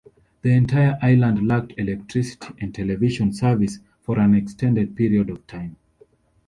The entire island lacked electricity and television service for an extended period of time.